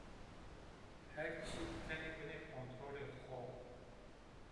Her çî kenê binê kontrolê xo